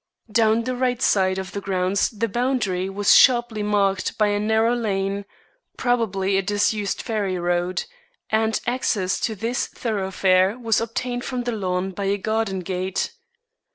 Down the right side of the grounds the boundary was sharply marked by a narrow lane, probably a disused ferry road, and access to this thoroughfare was obtained from the lawn by a garden gate.